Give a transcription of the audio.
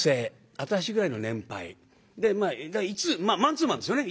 私ぐらいの年配。でマンツーマンですよね。